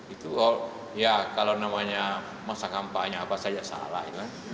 itu kalau namanya masa kampanye apa saja salah